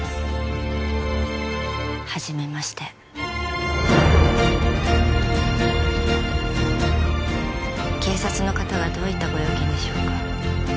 はじめまして警察の方がどういったご用件でしょうか？